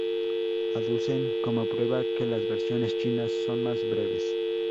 Aducen como prueba que las versiones chinas son más breves.